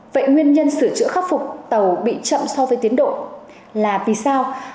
vậy nguyên nhân sửa chữa khắc phục tàu bị chậm so với tiến độ là vì sao